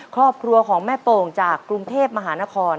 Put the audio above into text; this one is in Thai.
ครอบครัวของแม่โป่งจากกรุงเทพมหานคร